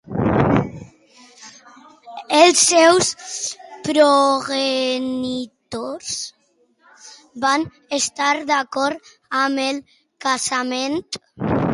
Els seus progenitors van estar d'acord amb el casament?